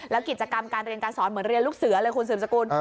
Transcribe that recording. แล้วกิจกรรมการเรียนการสอนเหมือนเรียนลูกเสือเลยคุณสืบสกุล